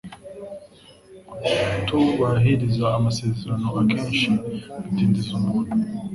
kutubahiriza amasezerano akenshi bidinbiza umuntu